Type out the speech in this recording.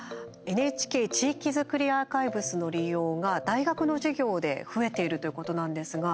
ＮＨＫ地域づくりアーカイブスの利用が大学の授業で増えているということなんですが。